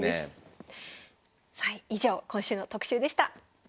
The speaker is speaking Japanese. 以上今週の特集でした。